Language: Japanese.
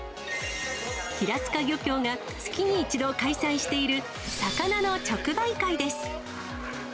平塚漁協が月に１度開催している魚の直売会です。